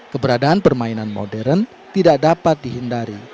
keberadaan permainan modern tidak dapat dihindari